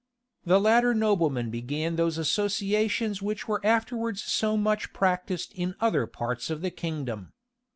The latter nobleman began those associations which were afterwards so much practised in other parts of the kingdom.